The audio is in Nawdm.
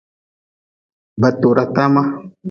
Ba tora tama.